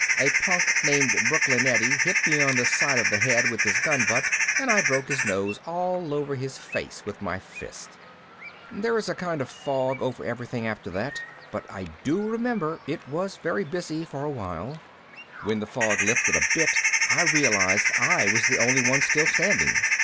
A punk named Brooklyn Eddie hit me on the side of the head with his gunbutt and I broke his nose all over his face with my fist. There is a kind of a fog over everything after that. But I do remember it was very busy for a while. When the fog lifted a bit I realized I was the only one still standing.